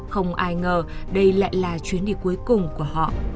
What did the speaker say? không ai ngờ đây lại là chuyến đi cuối cùng của họ